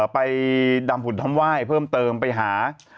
ไปดำหุ่นทำไหว้เพิ่มเติมไปหา